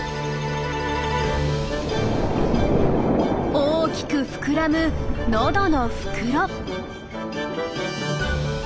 大きく膨らむのどの袋。